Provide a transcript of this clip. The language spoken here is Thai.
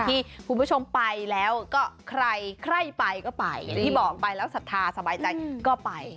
ที่คุณผู้ชมไปแล้วก็ใครใครไปก็ไปอย่างที่บอกไปแล้วศรัทธาสบายใจก็ไป